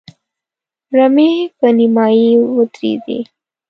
رمې په نيمايي ودرېدې.